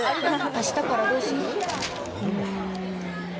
あしたからどうする？